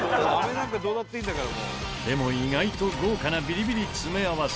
でも意外と豪華なビリビリ詰め合わせ。